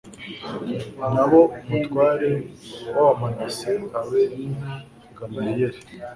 na bo umutware w Abamanase abe Gamaliyeli